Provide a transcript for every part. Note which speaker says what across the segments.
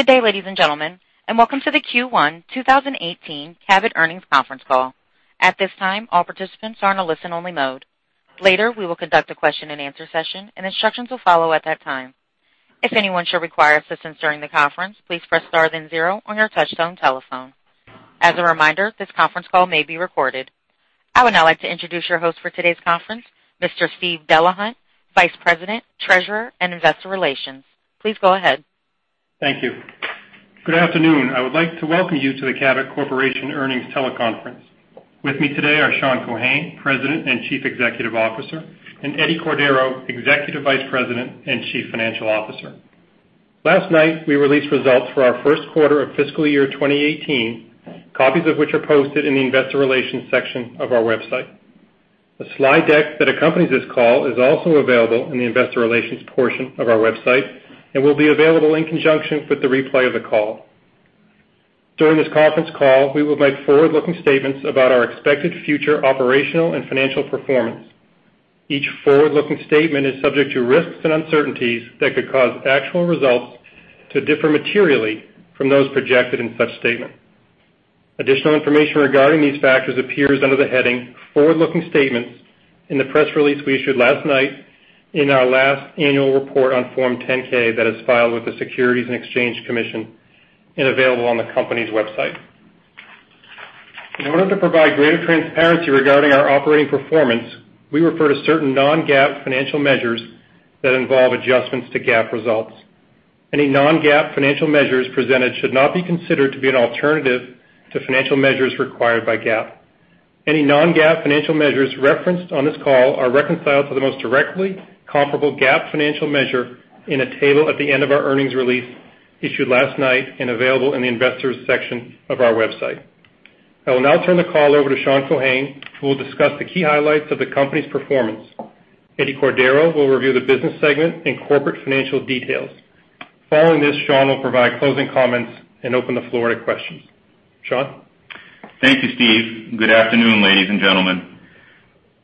Speaker 1: Good day, ladies and gentlemen, and welcome to the Q1 2018 Cabot Earnings Conference Call. At this time, all participants are in a listen-only mode. Later, we will conduct a question and answer session, and instructions will follow at that time. If anyone should require assistance during the conference, please press star then zero on your touchtone telephone. As a reminder, this conference call may be recorded. I would now like to introduce your host for today's conference, Mr. Steve Delahunt, Vice President, Treasurer, and Investor Relations. Please go ahead.
Speaker 2: Thank you. Good afternoon. I would like to welcome you to the Cabot Corporation Earnings Teleconference. With me today are Sean Keohane, President and Chief Executive Officer, and Eddie Cordeiro, Executive Vice President and Chief Financial Officer. Last night, we released results for our first quarter of fiscal year 2018, copies of which are posted in the investor relations section of our website. The slide deck that accompanies this call is also available in the investor relations portion of our website and will be available in conjunction with the replay of the call. During this conference call, we will make forward-looking statements about our expected future operational and financial performance. Each forward-looking statement is subject to risks and uncertainties that could cause actual results to differ materially from those projected in such statements. Additional information regarding these factors appears under the heading Forward-Looking Statements in the press release we issued last night in our last annual report on Form 10-K that is filed with the Securities and Exchange Commission and available on the company's website. In order to provide greater transparency regarding our operating performance, we refer to certain non-GAAP financial measures that involve adjustments to GAAP results. Any non-GAAP financial measures presented should not be considered to be an alternative to financial measures required by GAAP. Any non-GAAP financial measures referenced on this call are reconciled to the most directly comparable GAAP financial measure in a table at the end of our earnings release issued last night and available in the investors section of our website. I will now turn the call over to Sean Keohane, who will discuss the key highlights of the company's performance. Eddie Cordeiro will review the business segment and corporate financial details. Following this, Sean will provide closing comments and open the floor to questions. Sean?
Speaker 3: Thank you, Steve. Good afternoon, ladies and gentlemen.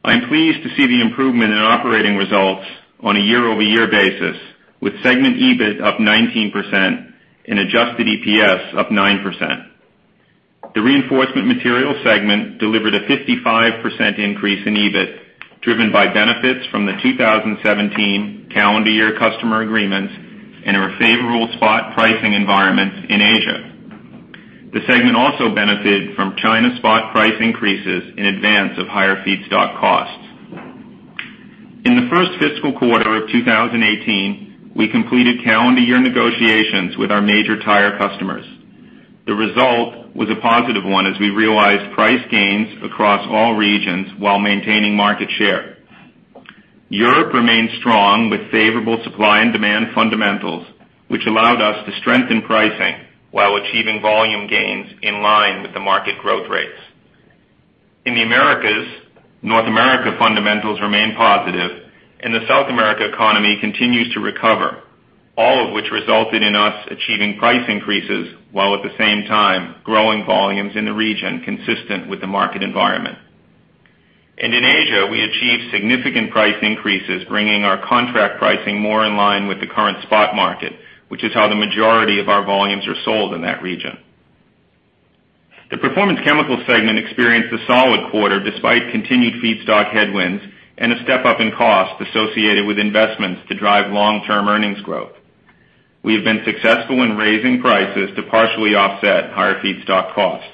Speaker 3: I'm pleased to see the improvement in operating results on a year-over-year basis, with segment EBIT up 19% and adjusted EPS up 9%. The Reinforcement Materials segment delivered a 55% increase in EBIT, driven by benefits from the 2017 calendar year customer agreements and our favorable spot pricing environments in Asia. The segment also benefited from China spot price increases in advance of higher feedstock costs. In the first fiscal quarter of 2018, we completed calendar year negotiations with our major tire customers. The result was a positive one as we realized price gains across all regions while maintaining market share. Europe remains strong with favorable supply and demand fundamentals, which allowed us to strengthen pricing while achieving volume gains in line with the market growth rates. In the Americas, North America fundamentals remain positive and the South America economy continues to recover, all of which resulted in us achieving price increases while at the same time growing volumes in the region consistent with the market environment. In Asia, we achieved significant price increases, bringing our contract pricing more in line with the current spot market, which is how the majority of our volumes are sold in that region. The Performance Chemicals segment experienced a solid quarter despite continued feedstock headwinds and a step-up in cost associated with investments to drive long-term earnings growth. We have been successful in raising prices to partially offset higher feedstock costs.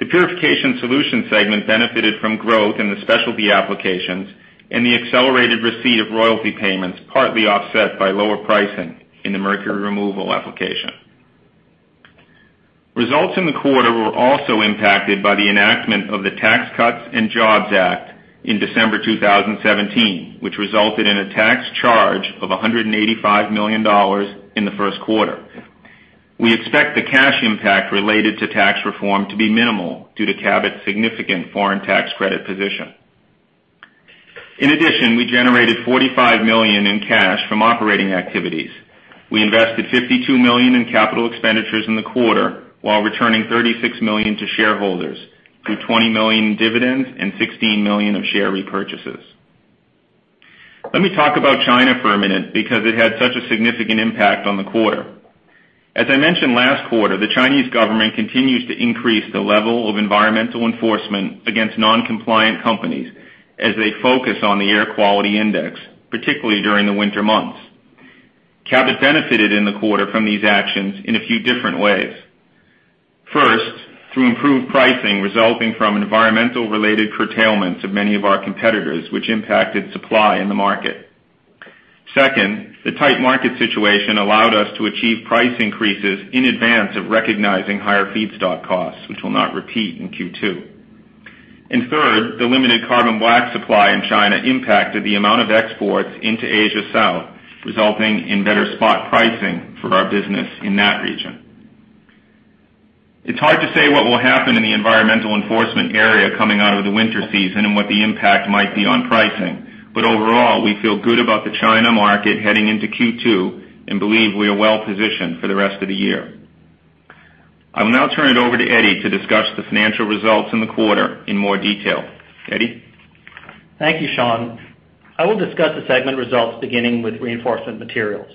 Speaker 3: The Purification Solutions segment benefited from growth in the specialty applications and the accelerated receipt of royalty payments, partly offset by lower pricing in the mercury removal application. Results in the quarter were also impacted by the enactment of the Tax Cuts and Jobs Act in December 2017, which resulted in a tax charge of $185 million in the first quarter. We expect the cash impact related to tax reform to be minimal due to Cabot's significant foreign tax credit position. In addition, we generated $45 million in cash from operating activities. We invested $52 million in capital expenditures in the quarter while returning $36 million to shareholders through $20 million in dividends and $16 million of share repurchases. Let me talk about China for a minute because it had such a significant impact on the quarter. As I mentioned last quarter, the Chinese government continues to increase the level of environmental enforcement against non-compliant companies as they focus on the air quality index, particularly during the winter months. Cabot benefited in the quarter from these actions in a few different ways. First, through improved pricing resulting from environmental-related curtailments of many of our competitors, which impacted supply in the market. Second, the tight market situation allowed us to achieve price increases in advance of recognizing higher feedstock costs, which will not repeat in Q2. Third, the limited carbon black supply in China impacted the amount of exports into Asia South, resulting in better spot pricing for our business in that region. It's hard to say what will happen in the environmental enforcement area coming out of the winter season and what the impact might be on pricing. Overall, we feel good about the China market heading into Q2 and believe we are well positioned for the rest of the year. I will now turn it over to Eddie to discuss the financial results in the quarter in more detail. Eddie?
Speaker 4: Thank you, Sean. I will discuss the segment results beginning with Reinforcement Materials.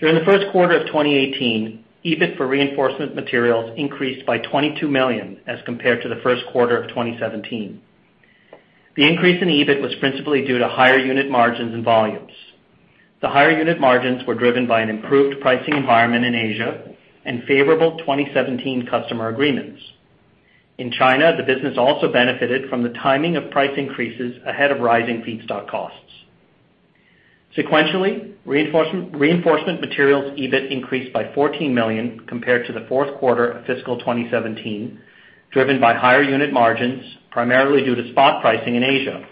Speaker 4: During the first quarter of 2018, EBIT for Reinforcement Materials increased by $22 million as compared to the first quarter of 2017. The increase in EBIT was principally due to higher unit margins and volumes. The higher unit margins were driven by an improved pricing environment in Asia and favorable 2017 customer agreements. In China, the business also benefited from the timing of price increases ahead of rising feedstock costs. Sequentially, Reinforcement Materials EBIT increased by $14 million compared to the fourth quarter of fiscal 2017, driven by higher unit margins, primarily due to spot pricing in Asia.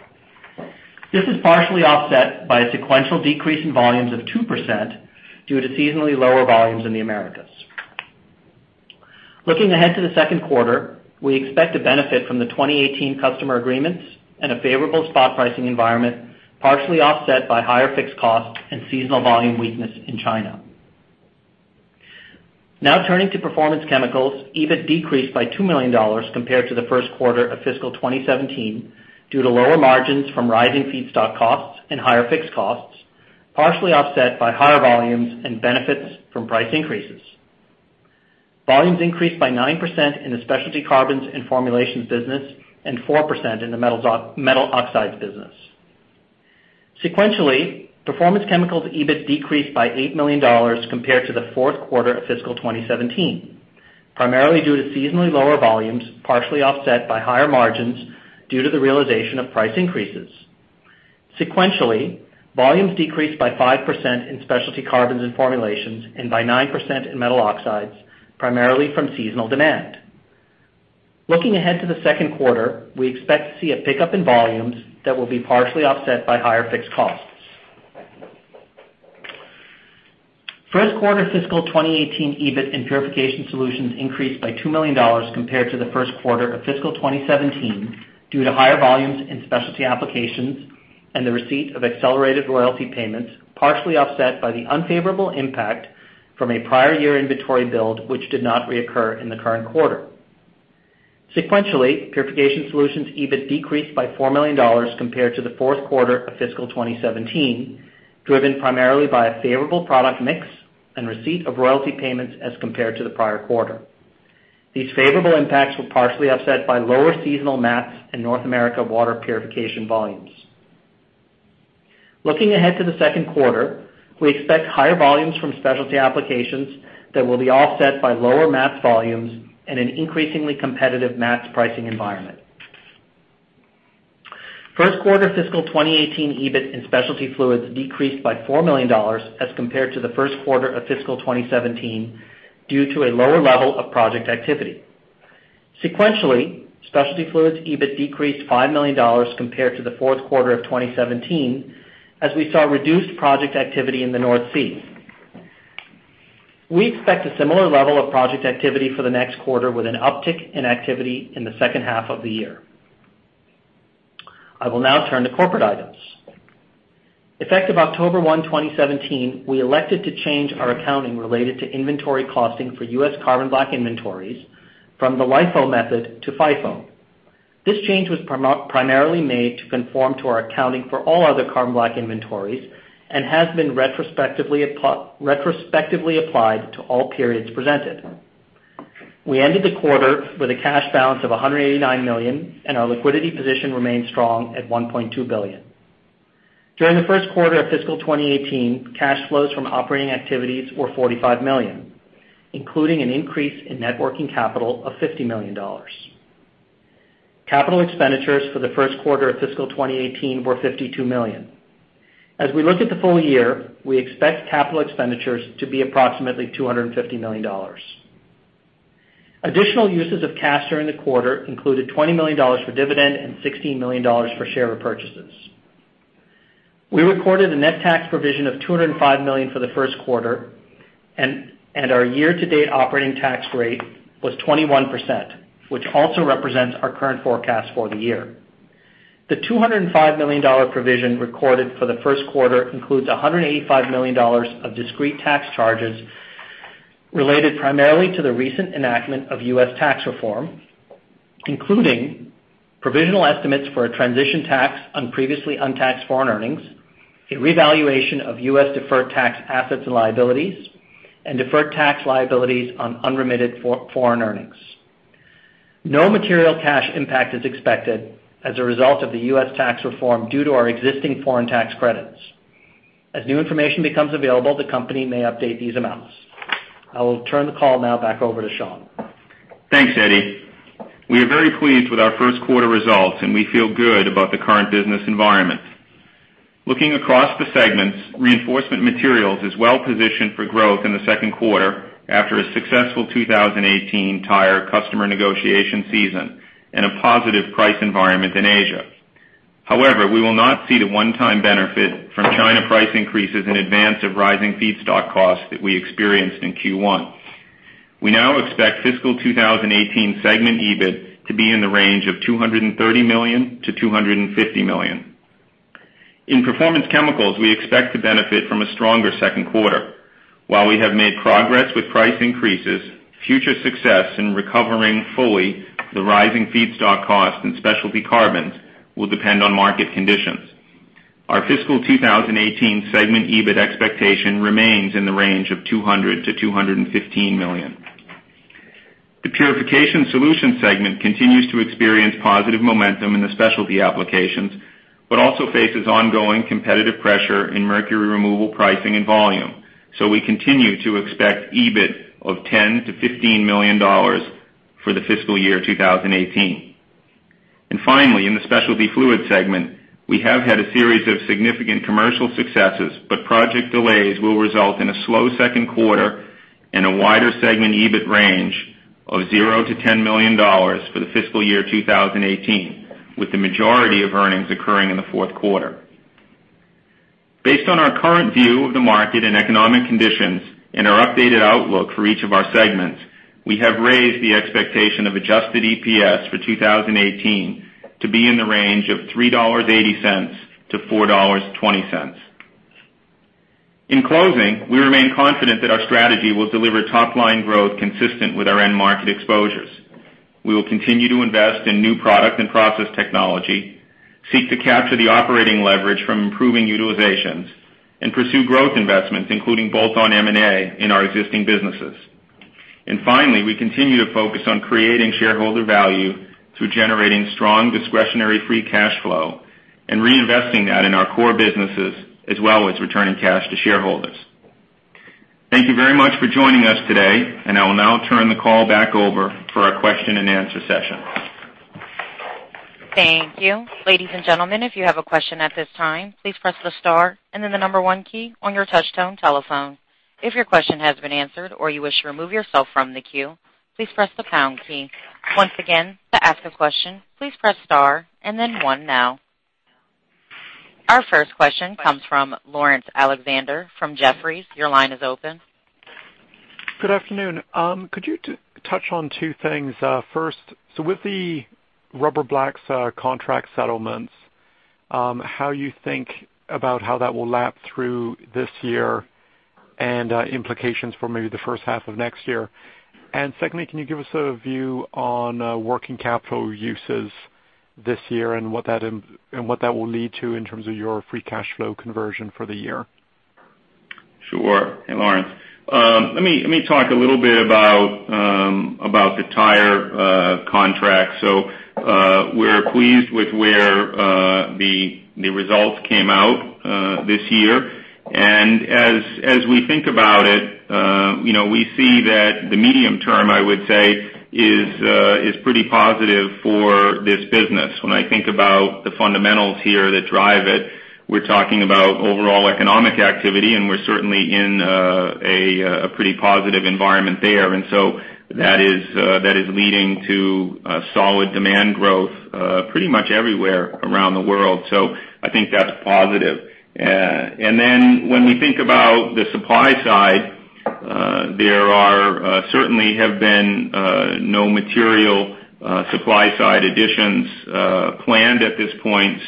Speaker 4: This is partially offset by a sequential decrease in volumes of 2% due to seasonally lower volumes in the Americas. Looking ahead to the second quarter, we expect to benefit from the 2018 customer agreements and a favorable spot pricing environment, partially offset by higher fixed costs and seasonal volume weakness in China. Now turning to Performance Chemicals, EBIT decreased by $2 million compared to the first quarter of fiscal 2017, due to lower margins from rising feedstock costs and higher fixed costs, partially offset by higher volumes and benefits from price increases. Volumes increased by 9% in the Specialty Carbons and Formulations business and 4% in the Metal Oxides business. Sequentially, Performance Chemicals EBIT decreased by $8 million compared to the fourth quarter of fiscal 2017, primarily due to seasonally lower volumes, partially offset by higher margins due to the realization of price increases. Sequentially, volumes decreased by 5% in Specialty Carbons and Formulations and by 9% in Metal Oxides, primarily from seasonal demand. Looking ahead to the second quarter, we expect to see a pickup in volumes that will be partially offset by higher fixed costs. First quarter fiscal 2018 EBIT in Purification Solutions increased by $2 million compared to the first quarter of fiscal 2017, due to higher volumes in specialty applications and the receipt of accelerated royalty payments, partially offset by the unfavorable impact from a prior year inventory build, which did not reoccur in the current quarter. Sequentially, Purification Solutions EBIT decreased by $4 million compared to the fourth quarter of fiscal 2017, driven primarily by a favorable product mix and receipt of royalty payments as compared to the prior quarter. These favorable impacts were partially offset by lower seasonal MATS in North America water purification volumes. Looking ahead to the second quarter, we expect higher volumes from specialty applications that will be offset by lower MATS volumes and an increasingly competitive MATS pricing environment. First quarter fiscal 2018 EBIT in Specialty Fluids decreased by $4 million as compared to the first quarter of fiscal 2017, due to a lower level of project activity. Sequentially, Specialty Fluids EBIT decreased $5 million compared to the fourth quarter of 2017, as we saw reduced project activity in the North Sea. We expect a similar level of project activity for the next quarter, with an uptick in activity in the second half of the year. I will now turn to corporate items. Effective October 1, 2017, we elected to change our accounting related to inventory costing for U.S. carbon black inventories from the LIFO method to FIFO. This change was primarily made to conform to our accounting for all other carbon black inventories and has been retrospectively applied to all periods presented. We ended the quarter with a cash balance of $189 million, and our liquidity position remains strong at $1.2 billion. During the first quarter of fiscal 2018, cash flows from operating activities were $45 million, including an increase in net working capital of $50 million. Capital expenditures for the first quarter of fiscal 2018 were $52 million. As we look at the full year, we expect capital expenditures to be approximately $250 million. Additional uses of cash during the quarter included $20 million for dividend and $16 million for share repurchases. We recorded a net tax provision of $205 million for the first quarter, and our year-to-date operating tax rate was 21%, which also represents our current forecast for the year. The $205 million provision recorded for the first quarter includes $185 million of discrete tax charges related primarily to the recent enactment of U.S. tax reform, including provisional estimates for a transition tax on previously untaxed foreign earnings, a revaluation of U.S. deferred tax assets and liabilities, and deferred tax liabilities on unremitted foreign earnings. No material cash impact is expected as a result of the U.S. tax reform due to our existing foreign tax credits. As new information becomes available, the company may update these amounts. I will turn the call now back over to Sean.
Speaker 3: Thanks, Eddie. We are very pleased with our first quarter results, and we feel good about the current business environment. Looking across the segments, Reinforcement Materials is well positioned for growth in the second quarter after a successful 2018 tire customer negotiation season and a positive price environment in Asia. However, we will not see the one-time benefit from China price increases in advance of rising feedstock costs that we experienced in Q1. We now expect fiscal 2018 segment EBIT to be in the range of $230 million-$250 million. In Performance Chemicals, we expect to benefit from a stronger second quarter. While we have made progress with price increases, future success in recovering fully the rising feedstock costs and specialty carbons will depend on market conditions. Our fiscal 2018 segment EBIT expectation remains in the range of $200 million-$215 million. The Purification Solutions segment continues to experience positive momentum in the specialty applications, but also faces ongoing competitive pressure in mercury removal pricing and volume. We continue to expect EBIT of $10 million-$15 million for the fiscal year 2018. Finally, in the Specialty Fluids segment, we have had a series of significant commercial successes, but project delays will result in a slow second quarter and a wider segment EBIT range of $0-$10 million for the fiscal year 2018, with the majority of earnings occurring in the fourth quarter. Based on our current view of the market and economic conditions and our updated outlook for each of our segments, we have raised the expectation of adjusted EPS for 2018 to be in the range of $3.80-$4.20. In closing, we remain confident that our strategy will deliver top-line growth consistent with our end market exposures. We will continue to invest in new product and process technology, seek to capture the operating leverage from improving utilizations, and pursue growth investments, including bolt-on M&A in our existing businesses. Finally, we continue to focus on creating shareholder value through generating strong discretionary free cash flow and reinvesting that in our core businesses, as well as returning cash to shareholders. Thank you very much for joining us today. I will now turn the call back over for our question and answer session.
Speaker 1: Thank you. Ladies and gentlemen, if you have a question at this time, please press the star and then the number 1 key on your touchtone telephone. If your question has been answered or you wish to remove yourself from the queue, please press the pound key. Once again, to ask a question, please press star and then one now. Our first question comes from Laurence Alexander from Jefferies. Your line is open.
Speaker 5: Good afternoon. Could you touch on two things? First, with the rubber blacks' contract settlements, how you think about how that will lap through this year and implications for maybe the first half of next year. Secondly, can you give us a view on working capital uses this year and what that will lead to in terms of your free cash flow conversion for the year?
Speaker 3: Sure. Hey, Laurence. Let me talk a little bit about the tire contract. We're pleased with where the results came out this year. As we think about it, we see that the medium term, I would say, is pretty positive for this business. When I think about the fundamentals here that drive it, we're talking about overall economic activity, and we're certainly in a pretty positive environment there. That is leading to solid demand growth pretty much everywhere around the world. I think that's positive. When we think about the supply side, there certainly have been no material supply side additions planned at this point.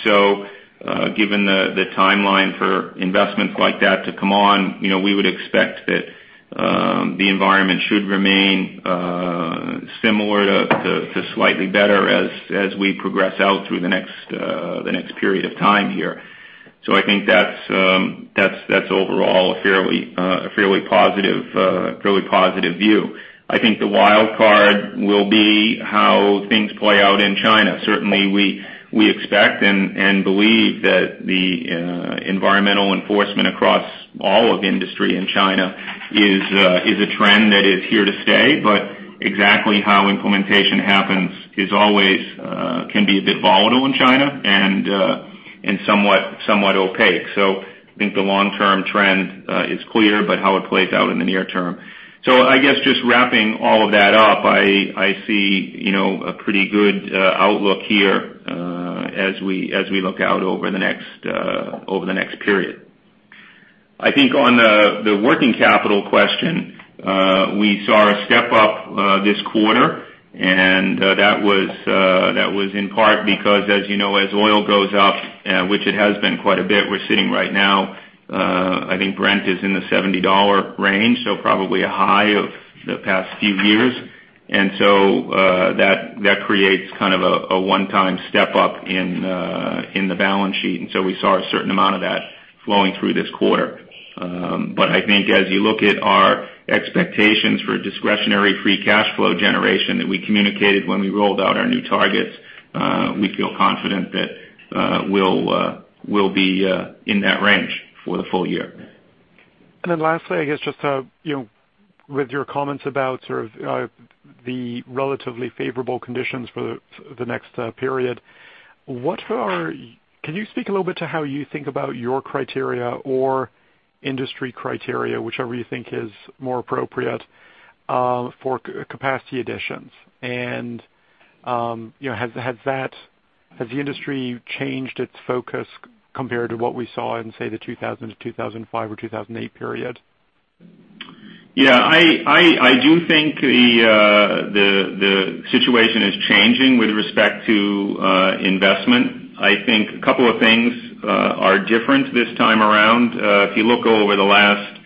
Speaker 3: Given the timeline for investments like that to come on, we would expect that the environment should remain similar to slightly better as we progress out through the next period of time here. I think that's overall a fairly positive view. I think the wild card will be how things play out in China. Certainly, we expect and believe that the environmental enforcement across all of industry in China is a trend that is here to stay. Exactly how implementation happens can be a bit volatile in China and somewhat opaque. I think the long-term trend is clear, but how it plays out in the near term. I guess just wrapping all of that up, I see a pretty good outlook here as we look out over the next period. I think on the working capital question, we saw a step-up this quarter. That was in part because, as oil goes up, which it has been quite a bit, we're sitting right now, I think Brent is in the $70 range, so probably a high of the past few years. That creates kind of a one-time step-up in the balance sheet. We saw a certain amount of that flowing through this quarter. I think as you look at our expectations for discretionary free cash flow generation that we communicated when we rolled out our new targets, we feel confident that we'll be in that range for the full year.
Speaker 5: Lastly, I guess just with your comments about sort of the relatively favorable conditions for the next period, can you speak a little bit to how you think about your criteria or industry criteria, whichever you think is more appropriate, for capacity additions? Has the industry changed its focus compared to what we saw in, say, the 2000 to 2005 or 2008 period?
Speaker 3: I do think the situation is changing with respect to investment. I think a couple of things are different this time around. If you look over the last,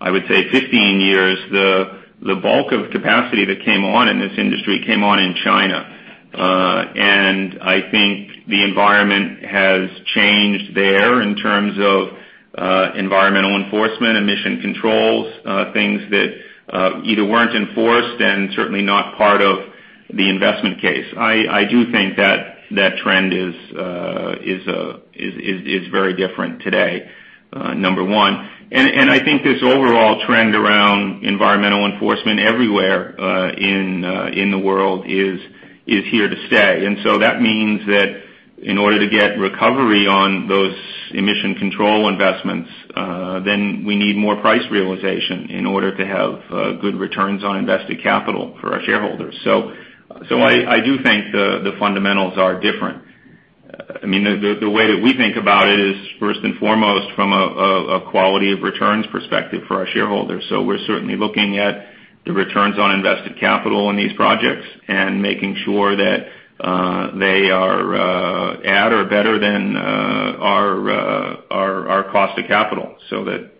Speaker 3: I would say 15 years, the bulk of capacity that came on in this industry came on in China. I think the environment has changed there in terms of environmental enforcement, emission controls, things that either weren't enforced and certainly not part of the investment case. I do think that trend is very different today, number 1. I think this overall trend around environmental enforcement everywhere in the world is here to stay. That means that in order to get recovery on those emission control investments, then we need more price realization in order to have good returns on invested capital for our shareholders. I do think the fundamentals are different. The way that we think about it is first and foremost from a quality of returns perspective for our shareholders. We're certainly looking at the returns on invested capital in these projects and making sure that they are at or better than our cost of capital so that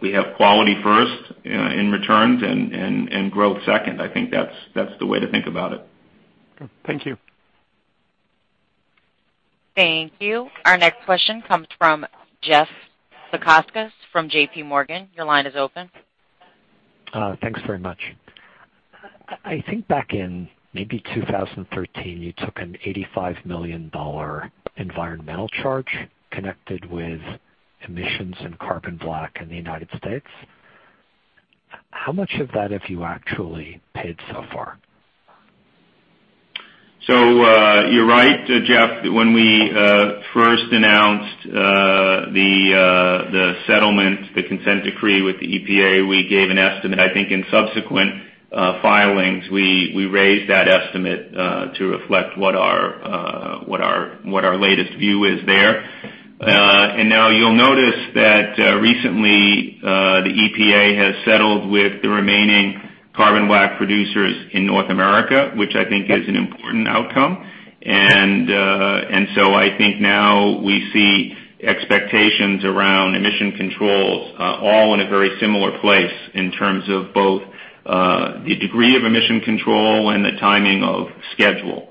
Speaker 3: we have quality first in returns and growth second. I think that's the way to think about it.
Speaker 5: Okay. Thank you.
Speaker 1: Thank you. Our next question comes from Jeff Zekauskas from J.P. Morgan. Your line is open.
Speaker 6: Thanks very much. I think back in maybe 2013, you took an $85 million environmental charge connected with emissions and carbon black in the U.S. How much of that have you actually paid so far?
Speaker 3: You're right, Jeff. When we first announced the settlement, the consent decree with the EPA, we gave an estimate. I think in subsequent filings, we raised that estimate to reflect what our latest view is there. You'll notice that recently, the EPA has settled with the remaining carbon black producers in North America, which I think is an important outcome. I think now we see expectations around emission controls all in a very similar place in terms of both the degree of emission control and the timing of schedule.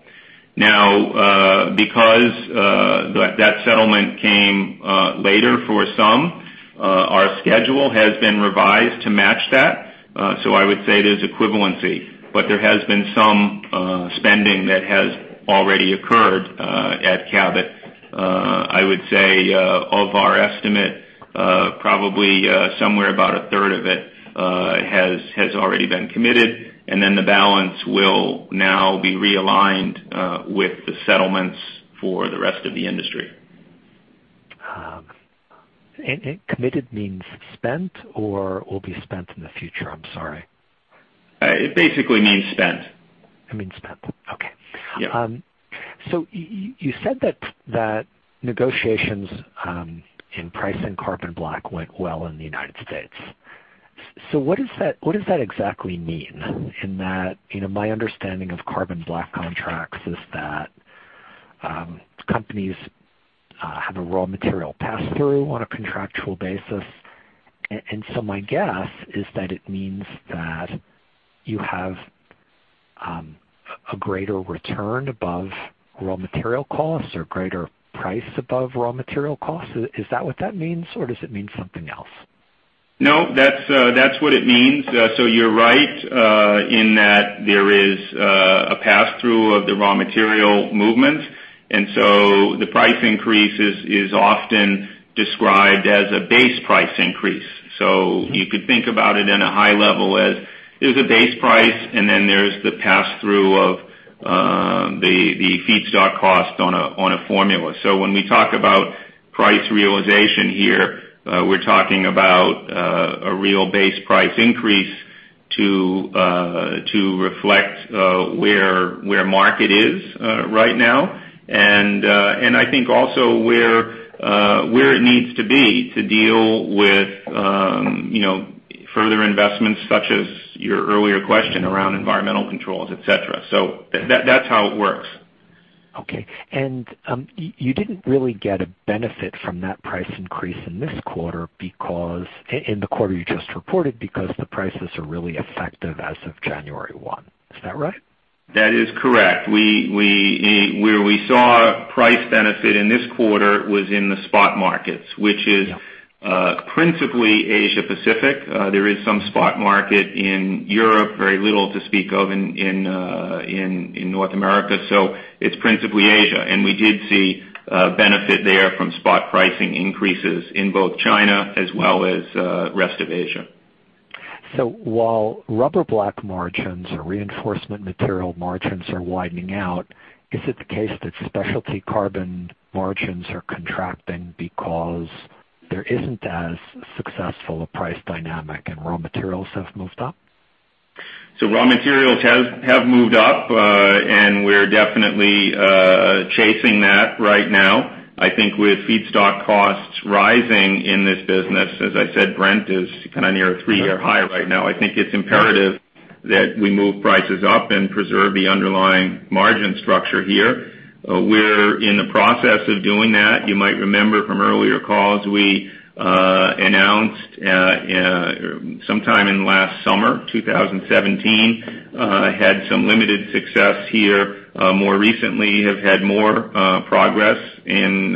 Speaker 3: Because that settlement came later for some, our schedule has been revised to match that. I would say there's equivalency, but there has been some spending that has already occurred at Cabot. I would say of our estimate, probably somewhere about a third of it has already been committed, the balance will now be realigned with the settlements for the rest of the industry.
Speaker 6: Committed means spent or will be spent in the future? I'm sorry.
Speaker 3: It basically means spent.
Speaker 6: It means spent. Okay.
Speaker 3: Yeah.
Speaker 6: You said that negotiations in pricing carbon black went well in the U.S. What does that exactly mean in that my understanding of carbon black contracts is that companies have a raw material pass-through on a contractual basis. My guess is that it means that you have a greater return above raw material costs or greater price above raw material costs. Is that what that means, or does it mean something else?
Speaker 3: No, that's what it means. You're right in that there is a pass-through of the raw material movement, the price increase is often described as a base price increase. You could think about it in a high level as there's a base price, then there's the pass-through of the feedstock cost on a formula. When we talk about price realization here, we're talking about a real base price increase to reflect where market is right now. I think also where it needs to be to deal with further investments such as your earlier question around environmental controls, et cetera. That's how it works.
Speaker 6: Okay. You didn't really get a benefit from that price increase in the quarter you just reported because the prices are really effective as of January 1. Is that right?
Speaker 3: That is correct. Where we saw price benefit in this quarter was in the spot markets, which is principally Asia-Pacific. There is some spot market in Europe, very little to speak of in North America. It's principally Asia. We did see a benefit there from spot pricing increases in both China as well as rest of Asia.
Speaker 6: While rubber blacks margins or Reinforcement Materials margins are widening out, is it the case that specialty carbon margins are contracting because there isn't as successful a price dynamic and raw materials have moved up?
Speaker 3: Raw materials have moved up, and we're definitely chasing that right now. I think with feedstock costs rising in this business, as I said, Brent is kind of near a three-year high right now. I think it's imperative that we move prices up and preserve the underlying margin structure here. We're in the process of doing that. You might remember from earlier calls, we announced sometime in last summer 2017, had some limited success here. More recently, have had more progress in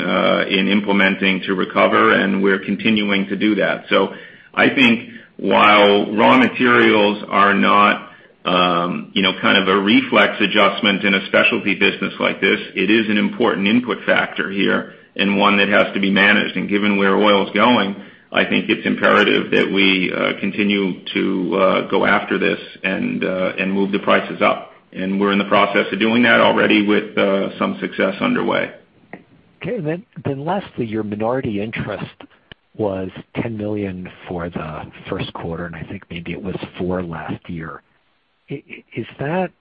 Speaker 3: implementing to recover, and we're continuing to do that. I think while raw materials are not kind of a reflex adjustment in a specialty business like this, it is an important input factor here and one that has to be managed. Given where oil's going, I think it's imperative that we continue to go after this and move the prices up. We're in the process of doing that already with some success underway.
Speaker 6: Okay. Lastly, your minority interest was $10 million for the first quarter, and I think maybe it was $4 last year. Is that,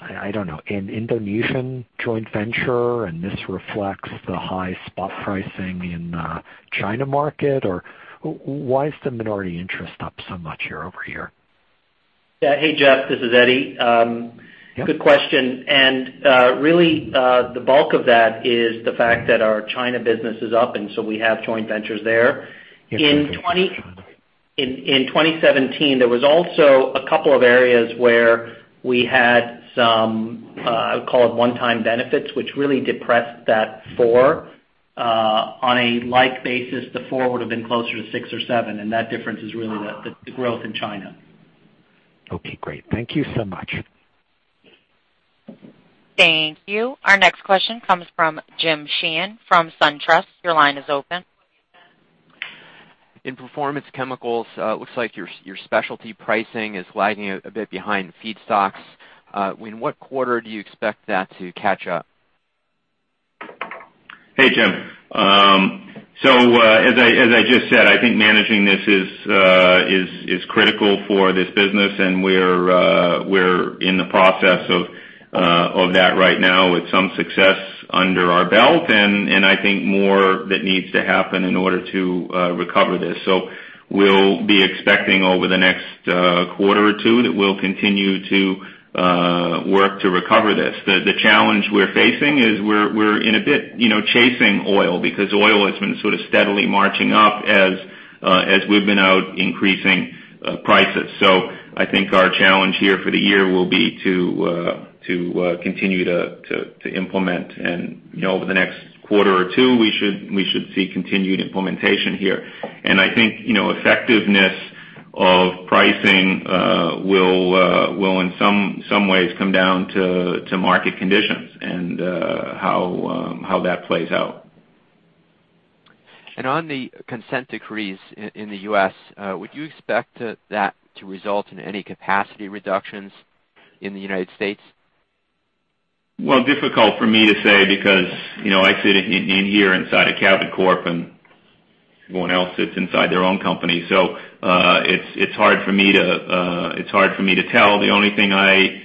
Speaker 6: I don't know, an Indonesian joint venture, and this reflects the high spot pricing in the China market? Why is the minority interest up so much over here?
Speaker 4: Yeah. Hey, Jeff, this is Eddie.
Speaker 6: Yeah.
Speaker 4: Good question. Really, the bulk of that is the fact that our China business is up, and so we have joint ventures there.
Speaker 6: Yes.
Speaker 4: In 2017, there was also a couple of areas where we had some, I would call it one-time benefits, which really depressed that four. On a like basis, the four would've been closer to six or seven, that difference is really the growth in China.
Speaker 6: Okay, great. Thank you so much.
Speaker 1: Thank you. Our next question comes from Jim Sheehan from SunTrust. Your line is open.
Speaker 7: In Performance Chemicals, looks like your specialty pricing is lagging a bit behind feedstocks. In what quarter do you expect that to catch up?
Speaker 3: Hey, Jim. As I just said, I think managing this is critical for this business, and we're in the process of that right now with some success under our belt, and I think more that needs to happen in order to recover this. We'll be expecting over the next quarter or two that we'll continue to work to recover this. The challenge we're facing is we're in a bit chasing oil because oil has been sort of steadily marching up as we've been out increasing prices. I think our challenge here for the year will be to continue to implement. Over the next quarter or two, we should see continued implementation here. I think effectiveness of pricing will, in some ways, come down to market conditions and how that plays out.
Speaker 7: On the consent decrees in the U.S., would you expect that to result in any capacity reductions in the United States?
Speaker 3: Well, difficult for me to say because I sit in here inside of Cabot Corp, and everyone else sits inside their own company. It's hard for me to tell. The only thing I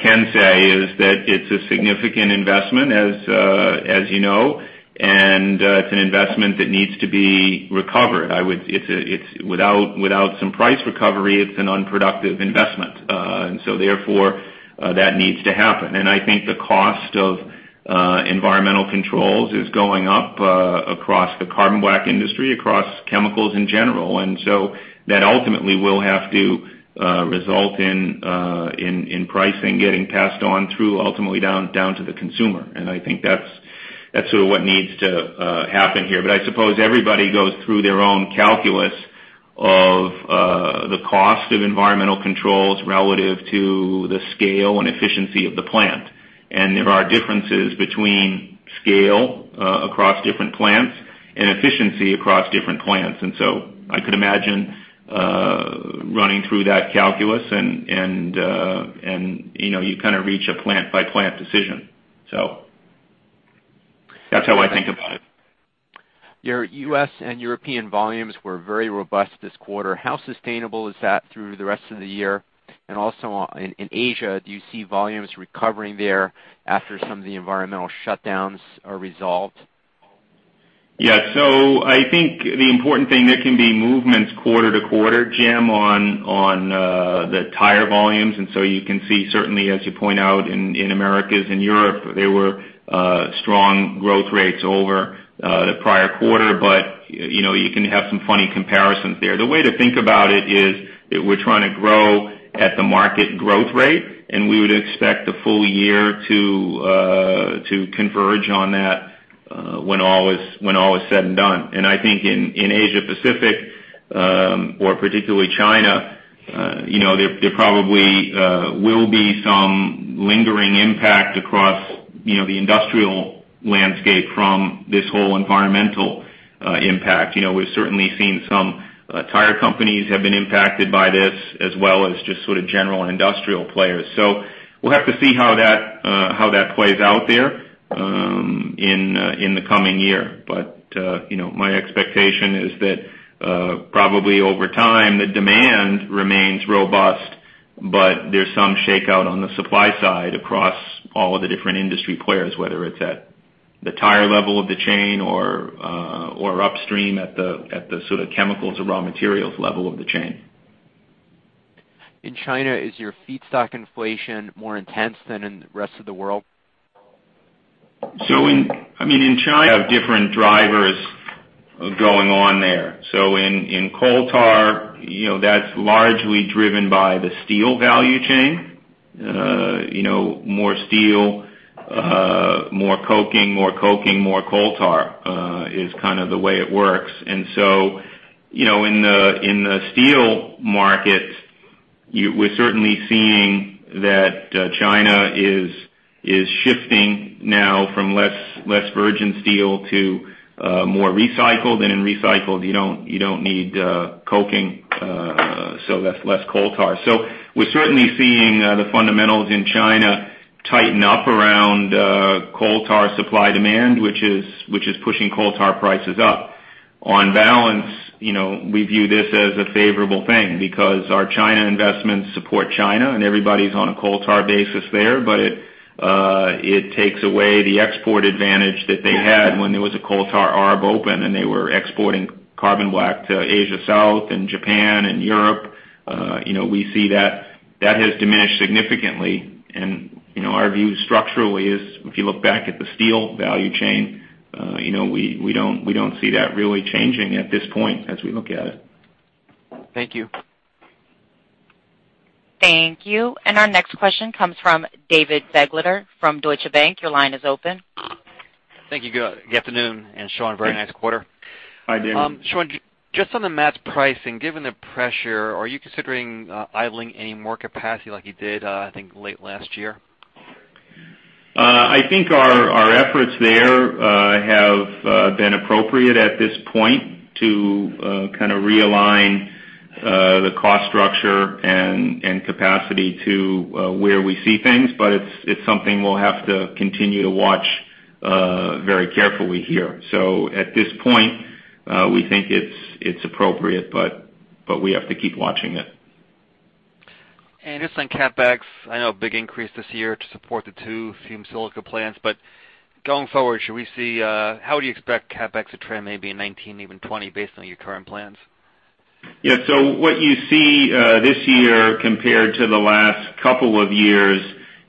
Speaker 3: can say is that it's a significant investment as you know, and it's an investment that needs to be recovered. Without some price recovery, it's an unproductive investment. Therefore, that needs to happen. I think the cost of environmental controls is going up across the carbon black industry, across chemicals in general. That ultimately will have to result in pricing getting passed on through ultimately down to the consumer. I think that's sort of what needs to happen here. I suppose everybody goes through their own calculus of the cost of environmental controls relative to the scale and efficiency of the plant. There are differences between scale across different plants and efficiency across different plants. I could imagine running through that calculus, and you kind of reach a plant-by-plant decision. That's how I think about it.
Speaker 7: Your U.S. and European volumes were very robust this quarter. How sustainable is that through the rest of the year? Also in Asia, do you see volumes recovering there after some of the environmental shutdowns are resolved?
Speaker 3: I think the important thing, there can be movements quarter-to-quarter, Jim, on the tire volumes. You can see certainly as you point out in Americas and Europe, there were strong growth rates over the prior quarter. You can have some funny comparisons there. The way to think about it is that we're trying to grow at the market growth rate, we would expect the full year to converge on that when all is said and done. I think in Asia Pacific, or particularly China, there probably will be some lingering impact across the industrial landscape from this whole environmental impact. We've certainly seen some tire companies have been impacted by this, as well as just sort of general industrial players. We'll have to see how that plays out there in the coming year. My expectation is that probably over time, the demand remains robust. There's some shakeout on the supply side across all of the different industry players, whether it's at the tire level of the chain or upstream at the chemicals or raw materials level of the chain.
Speaker 7: In China, is your feedstock inflation more intense than in the rest of the world?
Speaker 3: In China, different drivers are going on there. In coal tar, that's largely driven by the steel value chain. More steel, more coking; more coking, more coal tar, is kind of the way it works. In the steel market, we're certainly seeing that China is shifting now from less virgin steel to more recycled. In recycled, you don't need coking, so that's less coal tar. We're certainly seeing the fundamentals in China tighten up around coal tar supply-demand, which is pushing coal tar prices up. On balance, we view this as a favorable thing because our China investments support China and everybody's on a coal tar basis there, but it takes away the export advantage that they had when there was a coal tar arb open and they were exporting carbon black to Asia South and Japan and Europe. We see that has diminished significantly. Our view structurally is, if you look back at the steel value chain, we don't see that really changing at this point as we look at it.
Speaker 7: Thank you.
Speaker 1: Thank you. Our next question comes from David Begleiter from Deutsche Bank. Your line is open.
Speaker 8: Thank you. Good afternoon, Sean, very nice quarter.
Speaker 3: Hi, David.
Speaker 8: Sean, just on the MATS pricing, given the pressure, are you considering idling any more capacity like you did, I think, late last year?
Speaker 3: I think our efforts there have been appropriate at this point to kind of realign the cost structure and capacity to where we see things. It's something we'll have to continue to watch very carefully here. At this point, we think it's appropriate, but we have to keep watching it.
Speaker 8: Just on CapEx, I know big increase this year to support the 2 fumed silica plants. Going forward, how do you expect CapEx to trend maybe in 2019, even 2020, based on your current plans?
Speaker 3: What you see this year compared to the last couple of years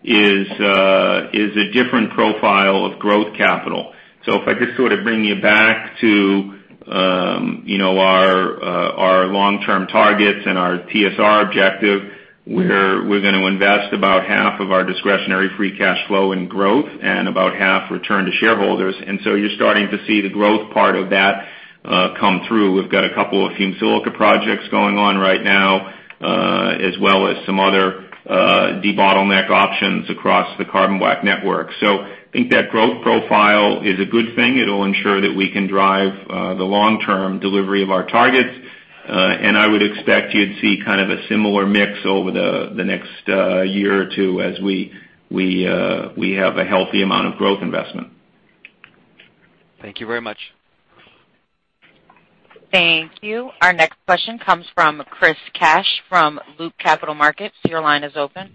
Speaker 3: is a different profile of growth capital. If I just sort of bring you back to our long-term targets and our TSR objective, where we're going to invest about half of our discretionary free cash flow in growth and about half return to shareholders. You're starting to see the growth part of that come through. We've got a couple of fumed silica projects going on right now, as well as some other de-bottleneck options across the carbon black network. I think that growth profile is a good thing. It'll ensure that we can drive the long-term delivery of our targets. I would expect you'd see kind of a similar mix over the next year or two as we have a healthy amount of growth investment.
Speaker 8: Thank you very much.
Speaker 1: Thank you. Our next question comes from Chris Kapsch from Loop Capital Markets. Your line is open.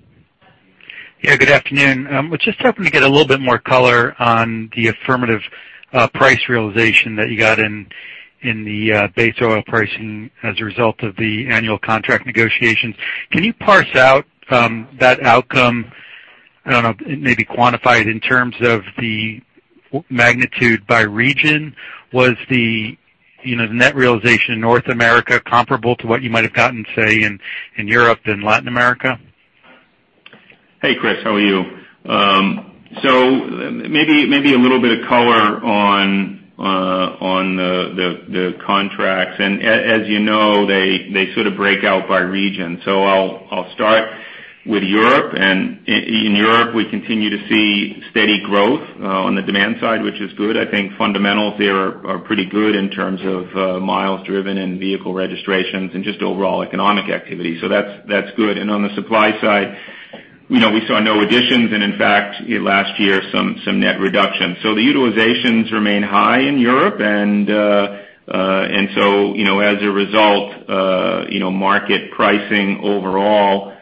Speaker 9: Yeah, good afternoon. Was just hoping to get a little bit more color on the affirmative price realization that you got in the base oil pricing as a result of the annual contract negotiations. Can you parse out that outcome, I don't know, maybe quantify it in terms of the magnitude by region? Was the net realization in North America comparable to what you might have gotten, say, in Europe and Latin America?
Speaker 3: Hey, Chris. How are you? Maybe a little bit of color on the contracts. As you know, they sort of break out by region. I'll start with Europe. In Europe, we continue to see steady growth on the demand side, which is good. I think fundamentals there are pretty good in terms of miles driven and vehicle registrations and just overall economic activity. That's good. On the supply side, we saw no additions, and in fact, last year, some net reduction. The utilizations remain high in Europe. As a result, market pricing overall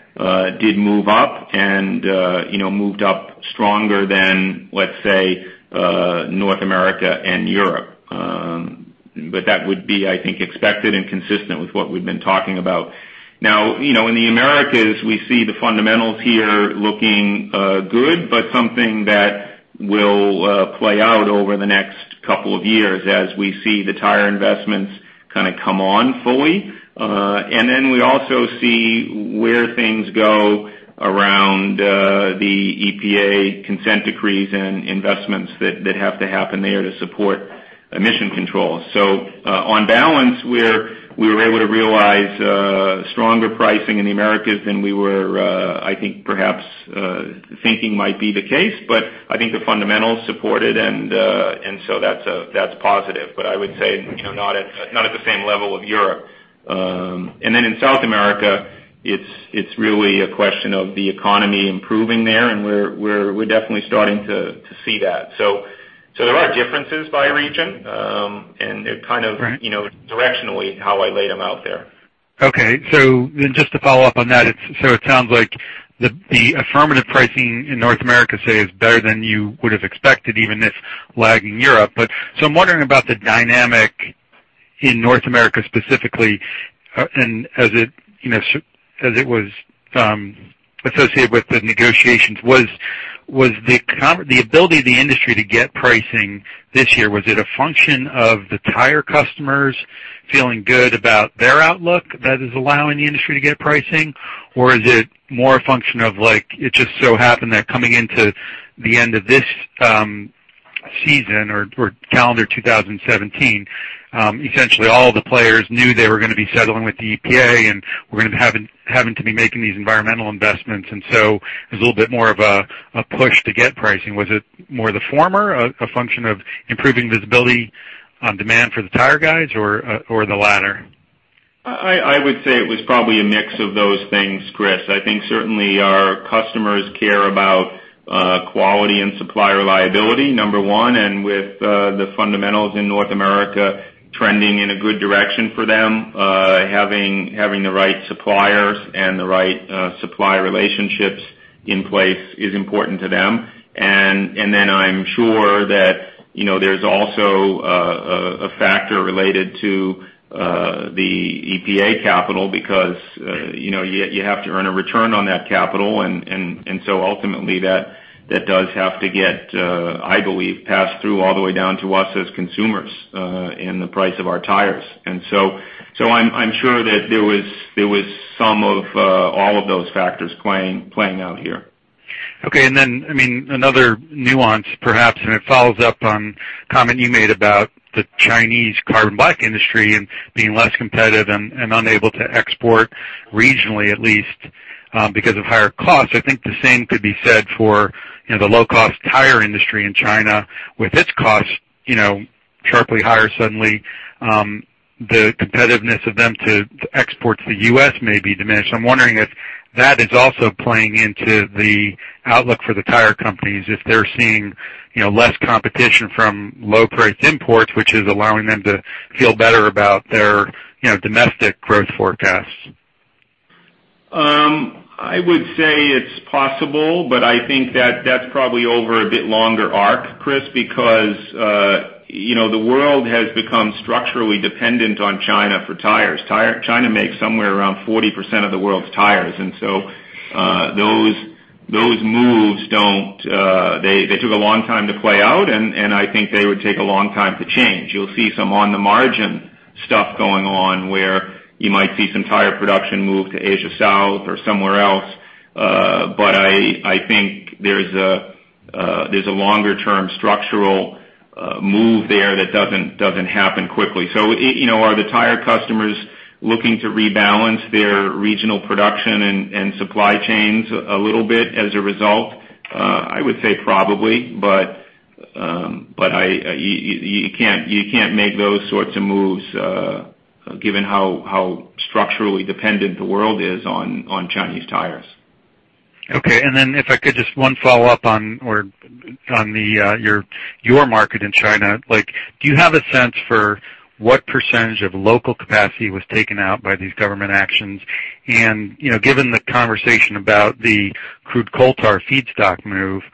Speaker 3: did move up and moved up stronger than, let's say, North America and Europe. That would be, I think, expected and consistent with what we've been talking about. Now, in the Americas, we see the fundamentals here looking good, but something that will play out over the next couple of years as we see the tire investments kind of come on fully. We also see where things go around the EPA consent decrees and investments that have to happen there to support emission controls. On balance, we were able to realize stronger pricing in the Americas than we were, I think perhaps, thinking might be the case. I think the fundamentals support it, that's positive. I would say, not at the same level of Europe. In South America, it's really a question of the economy improving there, and we're definitely starting to see that. There are differences by region.
Speaker 9: Right
Speaker 3: directionally how I laid them out there.
Speaker 9: Just to follow up on that, it sounds like the affirmative pricing in North America, say, is better than you would have expected, even if lagging Europe. I'm wondering about the dynamic in North America specifically, as it was associated with the negotiations. Was the ability of the industry to get pricing this year, was it a function of the tire customers feeling good about their outlook that is allowing the industry to get pricing? Or is it more a function of like, it just so happened that coming into the end of this season or calendar 2017, essentially all the players knew they were going to be settling with the EPA, we're going to be having to be making these environmental investments, it was a little bit more of a push to get pricing. Was it more the former, a function of improving visibility on demand for the tire guys or the latter?
Speaker 3: I would say it was probably a mix of those things, Chris. I think certainly our customers care about quality and supply reliability, number one, with the fundamentals in North America trending in a good direction for them. Having the right suppliers and the right supply relationships in place is important to them. I'm sure that there's also a factor related to the EPA capital because you have to earn a return on that capital, ultimately that does have to get, I believe, passed through all the way down to us as consumers, in the price of our tires. I'm sure that there was some of all of those factors playing out here.
Speaker 9: Another nuance, perhaps, it follows up on comment you made about the Chinese carbon black industry and being less competitive and unable to export regionally at least, because of higher costs. I think the same could be said for the low-cost tire industry in China with its cost sharply higher suddenly, the competitiveness of them to export to the U.S. may be diminished. I'm wondering if that is also playing into the outlook for the tire companies, if they're seeing less competition from low-price imports, which is allowing them to feel better about their domestic growth forecasts.
Speaker 3: I would say it's possible, but I think that that's probably over a bit longer arc, Chris, because the world has become structurally dependent on China for tires. China makes somewhere around 40% of the world's tires. Those moves took a long time to play out, and I think they would take a long time to change. You'll see some on the margin stuff going on where you might see some tire production move to Asia South or somewhere else. I think there's a longer-term structural move there that doesn't happen quickly. Are the tire customers looking to rebalance their regional production and supply chains a little bit as a result? I would say probably, but you can't make those sorts of moves, given how structurally dependent the world is on Chinese tires.
Speaker 9: Okay. If I could just, one follow-up on your market in China, do you have a sense for what percentage of local capacity was taken out by these government actions? Given the conversation about the crude coal tar feedstock move,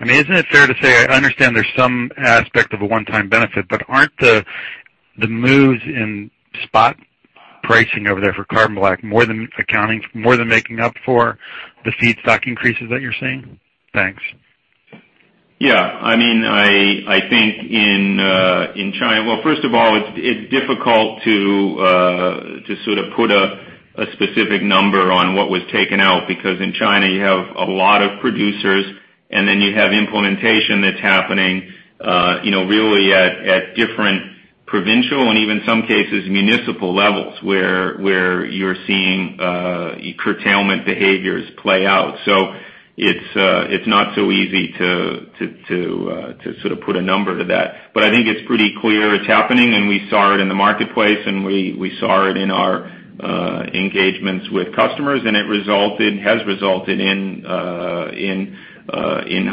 Speaker 9: isn't it fair to say, I understand there's some aspect of a one-time benefit, but aren't the moves in spot pricing over there for carbon black more than making up for the feedstock increases that you're seeing? Thanks.
Speaker 3: Yeah. I think in China, well, first of all, it's difficult to sort of put a specific number on what was taken out, because in China, you have a lot of producers, and then you have implementation that's happening really at different provincial and even some cases, municipal levels, where you're seeing curtailment behaviors play out. It's not so easy to sort of put a number to that. I think it's pretty clear it's happening, and we saw it in the marketplace, and we saw it in our engagements with customers, and it has resulted in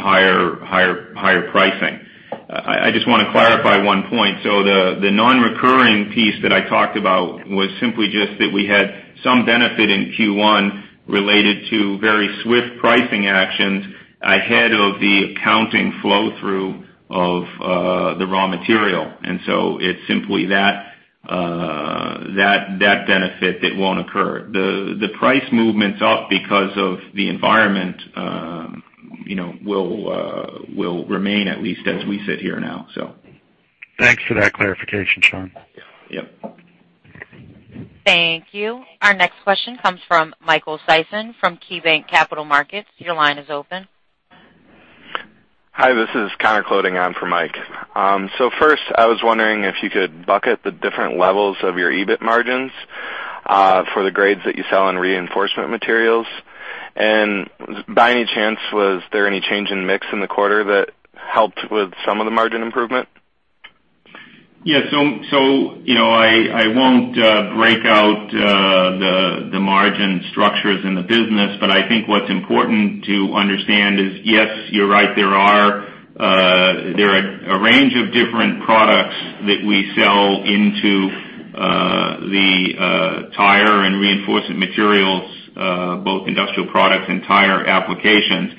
Speaker 3: higher pricing. I just want to clarify one point. The non-recurring piece that I talked about was simply just that we had some benefit in Q1 related to very swift pricing actions ahead of the accounting flow-through of the raw material. It's simply that benefit that won't occur. The price movement's up because of the environment will remain at least as we sit here now.
Speaker 9: Thanks for that clarification, Sean.
Speaker 3: Yep.
Speaker 1: Thank you. Our next question comes from Michael Sison from KeyBanc Capital Markets. Your line is open.
Speaker 10: Hi, this is Connor Cloetingh on for Mike. First, I was wondering if you could bucket the different levels of your EBIT margins, for the grades that you sell in Reinforcement Materials. By any chance, was there any change in mix in the quarter that helped with some of the margin improvement?
Speaker 3: Yeah. I won't break out the margin structures in the business, but I think what's important to understand is, yes, you're right, there are a range of different products that we sell into the tire and Reinforcement Materials, both industrial products and tire applications.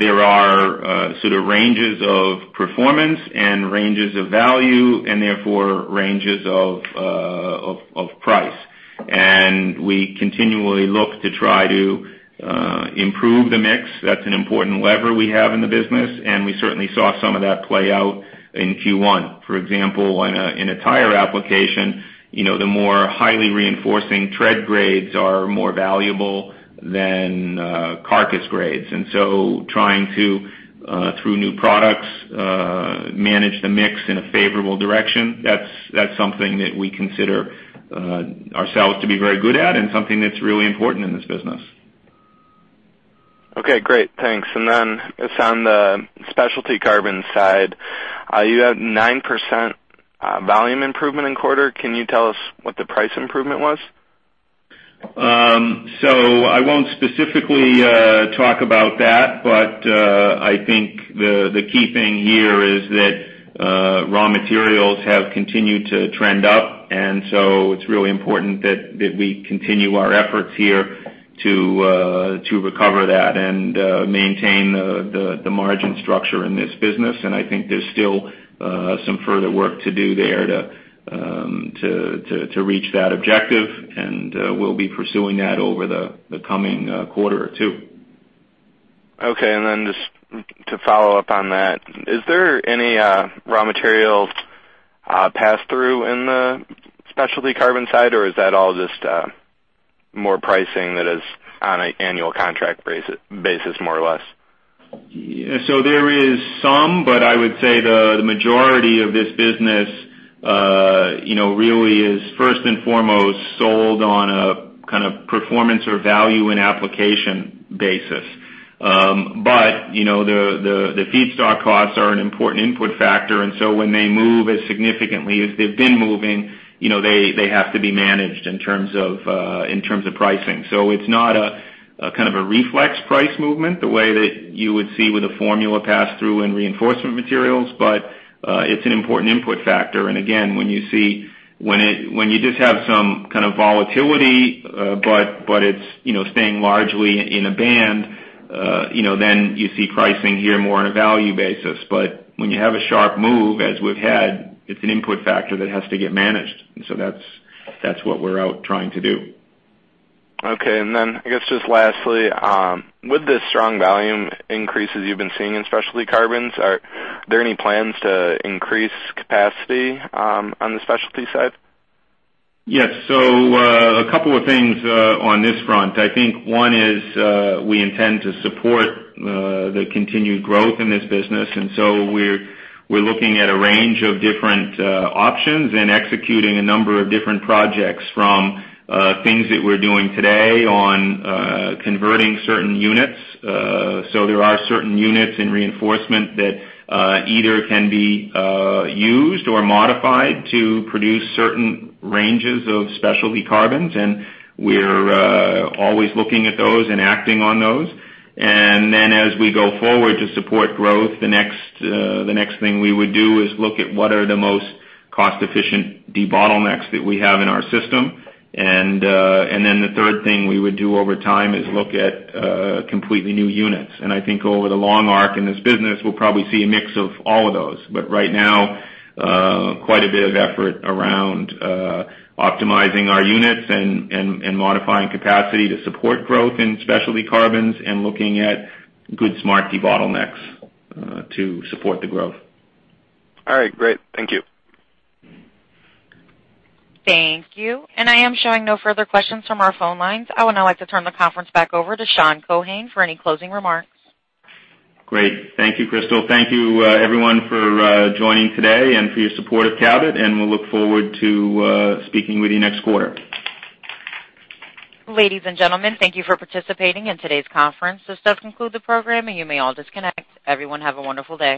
Speaker 3: There are ranges of performance and ranges of value, and therefore, ranges of price. We continually look to try to improve the mix. That's an important lever we have in the business, and we certainly saw some of that play out in Q1. For example, in a tire application, the more highly reinforcing tread grades are more valuable than carcass grades. Trying to, through new products, manage the mix in a favorable direction, that's something that we consider ourselves to be very good at and something that's really important in this business.
Speaker 10: Okay, great. Thanks. Just on the specialty carbon side, you had 9% volume improvement in quarter. Can you tell us what the price improvement was?
Speaker 3: I won't specifically talk about that, I think the key thing here is that raw materials have continued to trend up, it's really important that we continue our efforts here to recover that and maintain the margin structure in this business. I think there's still some further work to do there to reach that objective, and we'll be pursuing that over the coming quarter or two.
Speaker 10: Okay, just to follow up on that, is there any raw materials pass-through in the specialty carbon side, or is that all just more pricing that is on an annual contract basis, more or less?
Speaker 3: There is some, I would say the majority of this business really is first and foremost sold on a kind of performance or value in application basis. The feedstock costs are an important input factor, when they move as significantly as they've been moving, they have to be managed in terms of pricing. It's not a kind of a reflex price movement the way that you would see with a formula pass-through in Reinforcement Materials. It's an important input factor. Again, when you just have some kind of volatility, it's staying largely in a band, you see pricing here more on a value basis. When you have a sharp move as we've had, it's an input factor that has to get managed. That's what we're out trying to do.
Speaker 10: Okay, I guess just lastly, with the strong volume increases you've been seeing in specialty carbons, are there any plans to increase capacity on the specialty side?
Speaker 3: Yes. A couple of things on this front. I think one is we intend to support the continued growth in this business. We're looking at a range of different options and executing a number of different projects from things that we're doing today on converting certain units. There are certain units in Reinforcement Materials that either can be used or modified to produce certain ranges of specialty carbons, we're always looking at those and acting on those. Then as we go forward to support growth, the next thing we would do is look at what are the most cost-efficient debottlenecks that we have in our system. Then the third thing we would do over time is look at completely new units. I think over the long arc in this business, we'll probably see a mix of all of those. Right now, quite a bit of effort around optimizing our units and modifying capacity to support growth in specialty carbons and looking at good, smart debottlenecks to support the growth.
Speaker 10: All right, great. Thank you.
Speaker 1: Thank you. I am showing no further questions from our phone lines. I would now like to turn the conference back over to Sean Keohane for any closing remarks.
Speaker 3: Great. Thank you, Crystal. Thank you everyone for joining today and for your support of Cabot. We'll look forward to speaking with you next quarter.
Speaker 1: Ladies and gentlemen, thank you for participating in today's conference. This does conclude the program. You may all disconnect. Everyone, have a wonderful day.